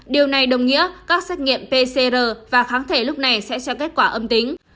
điều này đồng nghĩa các xét nghiệm pcr và kháng thể lúc này sẽ cho kết quả âm tính